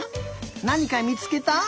なにかみつけた？